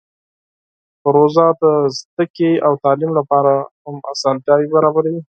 پروژه د زده کړې او تعلیم لپاره هم اسانتیاوې برابروي.